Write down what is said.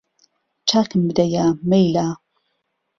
چاکم بدەیە مەیلە